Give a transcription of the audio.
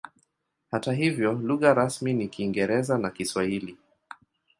Hata hivyo lugha rasmi ni Kiingereza na Kiswahili.